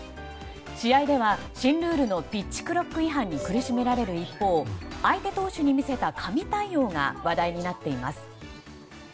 試合では新ルールのピッチクロック違反に苦しめられる一方相手投手に見せた神対応が話題になっています。